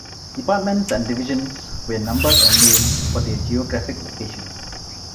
Departments and divisions were numbered or named for their geographic location.